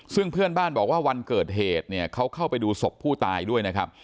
ซึ่งเพื่อนบ้านบอกว่าวันเกิดเหตุเนี่ยเขาเข้าไปดูศพผู้ตายด้วยนะครับ